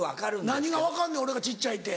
何が分かんねん俺が小っちゃいって。